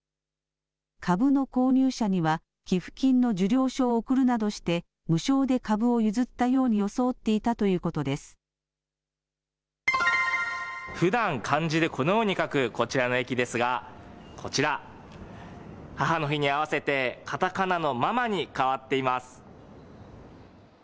株の購入者には、寄付金の受領書を送るなどして、無償で株を譲ったように装っていふだん、漢字でこのように書くこちらの駅ですが、こちら、母の日に合わせて、カタカナのママに変わっています。